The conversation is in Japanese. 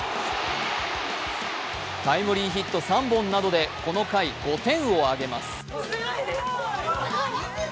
タイムリーヒット３本などでこの回５点を挙げます。